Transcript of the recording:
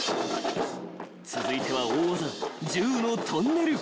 ［続いては大技銃のトンネル］